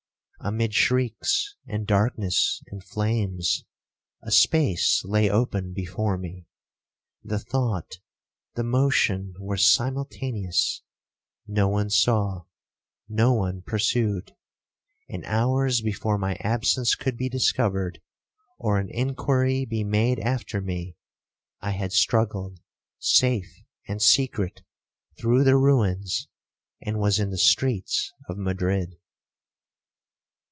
Amid shrieks, and darkness, and flames, a space lay open before me. The thought, the motion, were simultaneous—no one saw—no one pursued;—and hours before my absence could be discovered, or an inquiry be made after me, I had struggled safe and secret through the ruins, and was in the streets of Madrid.